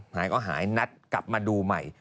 หายก็หายนัดกลับมาดูใหม่